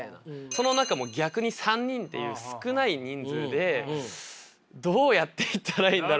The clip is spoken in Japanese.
その中逆に３人っていう少ない人数でどうやっていったらいいんだろう？みたいな。